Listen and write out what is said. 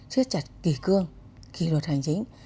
chứa chặt kỳ cương kỳ luật hành chính